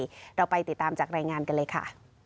เราไปติดตามจากรายงานกันเลยค่ะ